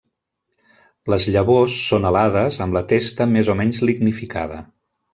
Les llavors són alades amb la testa més o menys lignificada.